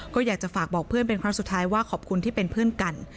ก็อยากจะฝากบอกเพื่อนเป็นครั้งสุดท้ายว่าขอบคุณที่เป็นเพื่อนกัน